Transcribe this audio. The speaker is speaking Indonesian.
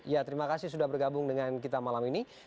ya terima kasih sudah bergabung dengan kita malam ini